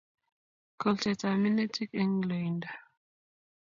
kolsetap minutik eng loindo